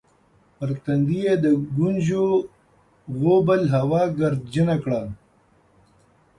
پر تندي یې د ګونځو غوبل هوا ګردجنه کړه